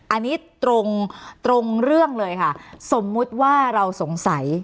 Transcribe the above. อันนี้ตรงตรงเรื่องเลยค่ะสมมุติว่าเราสงสัย